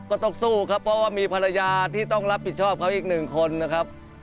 ก็ต้องสู้ครับเพราะว่ามีภรรยาที่ต้องรับผิดชอบเขาอีกหนึ่งคนนะครับ